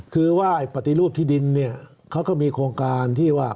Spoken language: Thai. คือว่าปฏิรูปที่ดินเนี่ยเขาก็มีโครงการที่ว่า